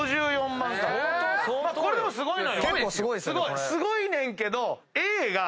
すごいねんけどＡが。